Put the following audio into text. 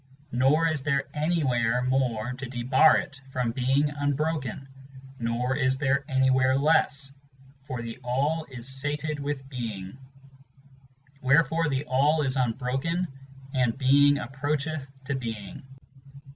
Nor is there anywhere more to debar it from being unbroken ; Nor is there anywhere less, for the All is sated with Being; Wherefore the All is unbroken, and Being approacheth to Being.